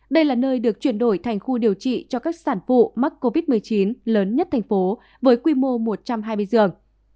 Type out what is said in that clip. đây là nơi được chuyển đổi thành khu điều trị cho các sản phụ mắc covid một mươi chín lớn nhất thành phố với quy mô một trăm hai mươi giường